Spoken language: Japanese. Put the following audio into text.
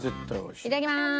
いただきまーす！